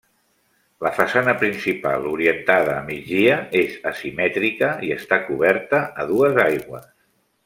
La façana principal, orientada a migdia, és asimètrica i està coberta a dues aigües.